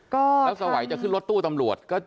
แล้วสวัยจะขึ้นรถตู้ตำรวจ